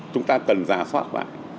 chúng ta cần giả soát bạn